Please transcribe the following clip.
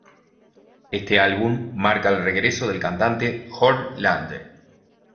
Este álbum marca el regreso del cantante Jorn Lande.